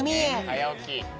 はやおき。